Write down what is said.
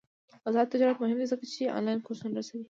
آزاد تجارت مهم دی ځکه چې آنلاین کورسونه رسوي.